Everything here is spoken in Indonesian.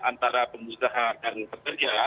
antara pengusaha dan pekerja